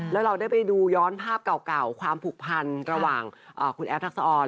แล้วเราได้ไปดูย้อนภาพเก่าความผูกพันระหว่างคุณแอฟทักษะออน